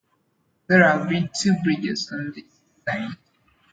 There have been two bridges on this site.